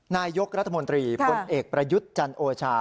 นายกรัฐมนตรีพลเอกประยุทธ์จันโอชา